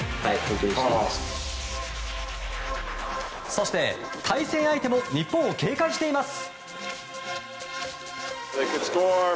そして、対戦相手も日本を警戒しています。